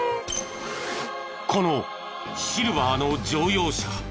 このシルバーの乗用車。